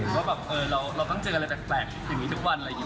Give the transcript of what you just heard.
ว่าแบบเราต้องเจออะไรแปลกอย่างนี้ทุกวันอะไรอย่างนี้